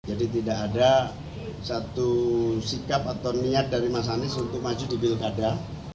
jadi tidak ada satu sikap atau niat dari mas anies untuk maju di bilkada